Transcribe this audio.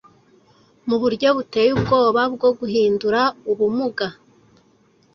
Muburyo buteye ubwoba bwo guhindura ubumuga